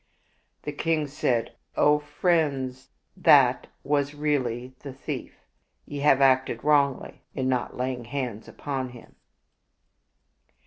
The king said, " O friends, that was really the thief. Ye have acted wrongly in not laying hands upon him."